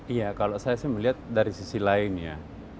iya kalau saya sih melihat dari sisi lain ya